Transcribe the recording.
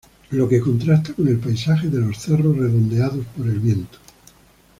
Lo que contrasta con el paisaje de los cerros redondeados por el viento.